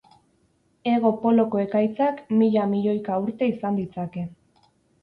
Hego poloko ekaitzak mila milioika urte izan ditzake.